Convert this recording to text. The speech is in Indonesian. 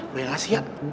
lo yang ga siap